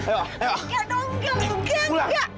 gak mau pulang